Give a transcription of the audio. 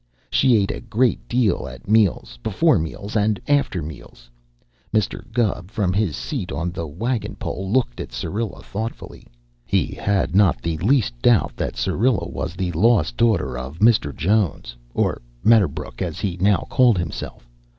She ate a great deal at meals, before meals, and after meals. Mr. Gubb, from his seat on the wagon pole, looked at Syrilla thoughtfully. He had not the least doubt that Syrilla was the lost daughter of Mr. Jones (or Medderbrook as he now called himself).